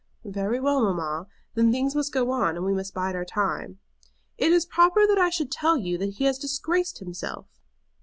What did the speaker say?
"Very well, mamma. Then things must go on, and we must bide our time." "It is proper that I should tell you that he has disgraced himself."